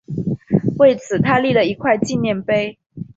为此他立了一块纪念碑。